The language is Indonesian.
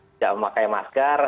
tidak memakai masker